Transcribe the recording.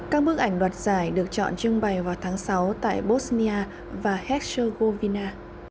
các bức ảnh đoạt giải được chọn trưng bày vào tháng sáu tại bosnia và herzegovina